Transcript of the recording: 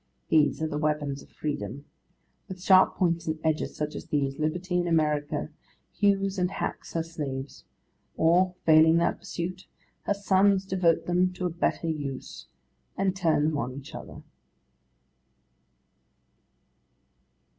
These are the weapons of Freedom. With sharp points and edges such as these, Liberty in America hews and hacks her slaves; or, failing that pursuit, her sons devote them to a better use, and turn them on each other.